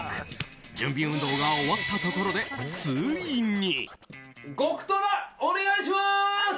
準備運動が終わったところでついに。